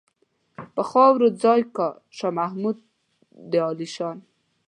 په خاورو ځای کا شاه محمود د عالیشان.